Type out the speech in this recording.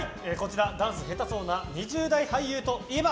ダンス下手そうな２０代俳優といえば？